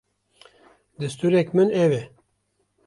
distûrek min ev e.